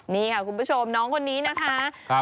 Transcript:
นี่ค่ะคุณผู้ชมน้องคนนี้นะคะ